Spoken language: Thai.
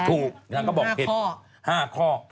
ถูกแล้วก็บอกผิด๕ข้อ